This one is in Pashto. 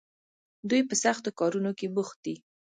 دوی په سختو کارونو کې بوخت دي.